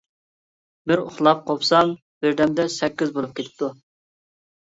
بىر ئۇخلاپ قوپسام، بىردەمدە سەككىز بولۇپ كېتىپتۇ.